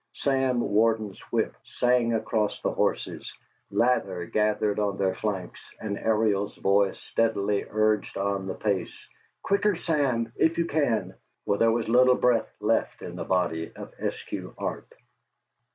Sam Warden's whip sang across the horses; lather gathered on their flanks, and Ariel's voice steadily urged on the pace: "Quicker, Sam, if you can." For there was little breath left in the body of Eskew Arp.